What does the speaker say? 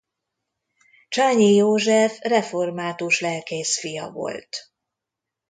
Csányi József református lelkész fia volt.